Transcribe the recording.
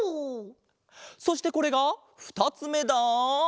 そしてこれがふたつめだ。